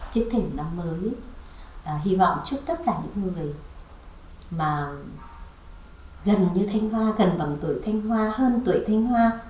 chất thỉnh năm mới hy vọng chúc tất cả những người mà gần như thanh hoa gần bằng tuổi thanh hoa hơn tuổi thanh hoa